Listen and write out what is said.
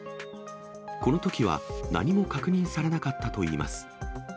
このときは、何も確認されなかったといいます。